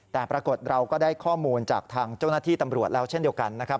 แต่ปรากฏเราก็ได้ข้อมูลจากทางเจ้าหน้าที่ตำรวจแล้วเช่นเดียวกันนะครับ